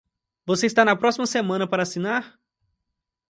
Você está na próxima semana para assinar?